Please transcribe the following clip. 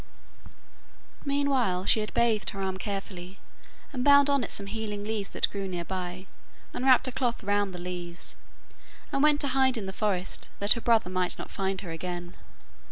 Meanwhile she had bathed her arm carefully, and bound on it some healing leaves that grew near by, and wrapped a cloth round the leaves, and went to hide in the forest, that her brother might not find her again.